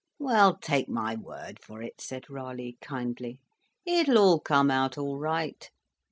"Well, take my word for it," said Raleigh, kindly. "It'll all come out all right.